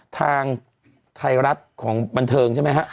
ทางไทยรัฐของบันเทิงใช่ไหมฮะ